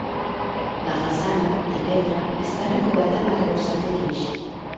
La façana, de pedra, està recoberta amb arrebossat de guix.